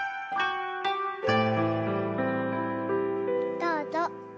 どうぞ。